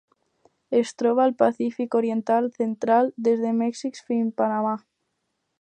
Es troba al Pacífic oriental central: des de Mèxic fins a Panamà.